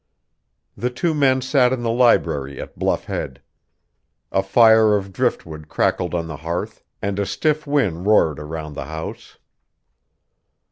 The two men sat in the library at Bluff Head. A fire of driftwood crackled on the hearth and a stiff wind roared around the house.